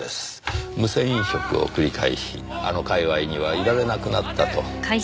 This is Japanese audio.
無銭飲食を繰り返しあの界隈にはいられなくなったと。